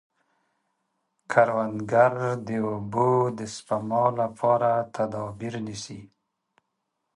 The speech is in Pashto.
کروندګر د اوبو د سپما لپاره تدابیر نیسي